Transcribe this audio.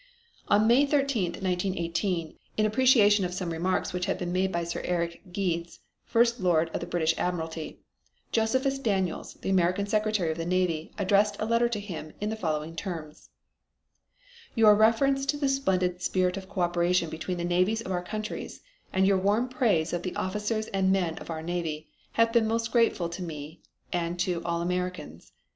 On May 13, 1918, in appreciation of some remarks which had been made by Sir Eric Geddes, First Lord of the British Admiralty, Josephus Daniels, the American Secretary of the Navy, addressed a letter to him in the following terms: "Your reference to the splendid spirit of co operation between the navies of our countries, and your warm praise of the officers and men of our navy, have been most grateful to me and to all Americans.